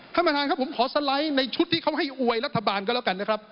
ท่านประธานครับผมขอสไลด์ในชุดที่เขาให้อวยรัฐบาลก็แล้วกันนะครับ